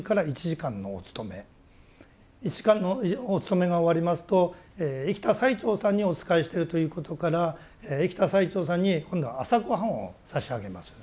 １時間のお勤めが終わりますと生きた最澄さんにお仕えしてるということから生きた最澄さんに今度は朝ごはんを差し上げます。